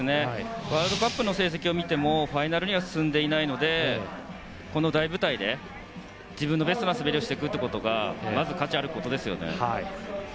ワールドカップの成績を見てもファイナルには進んでいないのでこの大舞台で自分のベストの滑りをすることがまず価値があることですよね。